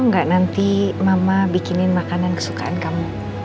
kamu mau gak nanti mama bikinin makanan kesukaan kamu